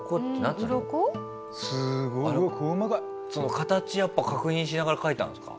形やっぱ確認しながら描いたんですか？